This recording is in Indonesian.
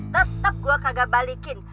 tetep gue kagak balikin